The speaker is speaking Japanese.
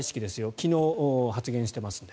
昨日、発言していますので。